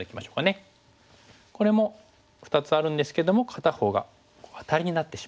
これも２つあるんですけども片方がアタリになってしまう。